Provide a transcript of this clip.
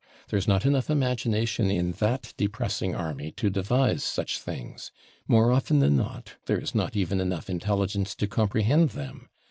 There is not enough imagination in that depressing army to devise such things; more often than not, there is not even enough intelligence to comprehend them.